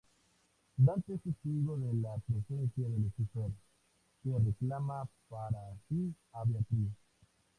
Dante es testigo de la presencia de Lucifer, que reclama para sí a Beatriz.